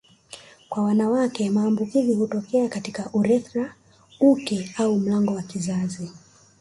Kwa wanawake maambukizi hutokea katika urethra uke au mlango wa uzazi